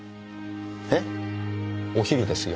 えっ？お昼ですよ。